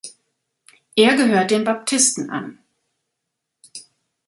Er gehört den Baptisten an.